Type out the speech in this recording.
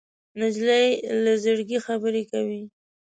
نجلۍ له زړګي خبرې کوي.